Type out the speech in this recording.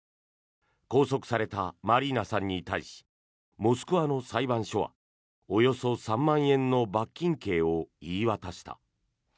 拘束されたマリーナさんに対しモスクワの裁判所はおよそ３万円の罰金刑を言い渡した。